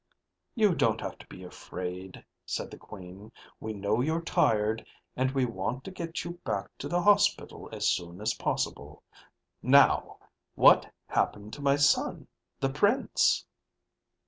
"You don't have to be afraid," said the Queen. "We know you're tired and we want to get you back to the hospital as soon as possible. Now. What happened to my son, the Prince?"